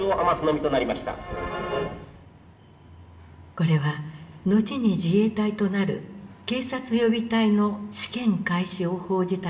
これは後に自衛隊となる警察予備隊の試験開始を報じたニュース映像。